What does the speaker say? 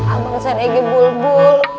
amang serege bulbul